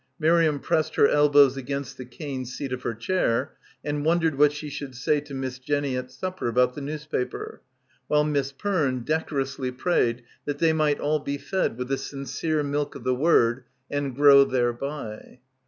Miriam pressed her elbows against the cane seat of her chair and wondered what she should say to Miss Jenny at supper about the newspaper, while Miss Perne decorously prayed that they might all be fed with the sincere milk of the Word and grow thereby.